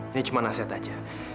ini cuma nasihat aja